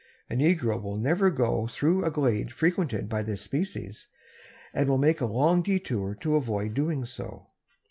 A negro will never go through a glade frequented by this species, and will make a long detour to avoid doing so.